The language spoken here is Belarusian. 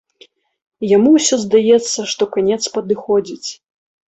Яму ўсё здаецца, што канец падыходзіць.